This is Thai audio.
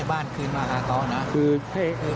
เพราะไม่เคยถามลูกสาวนะว่าไปทำธุรกิจแบบไหนอะไรยังไง